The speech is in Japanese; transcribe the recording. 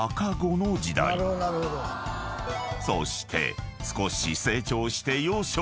［そして少し成長して］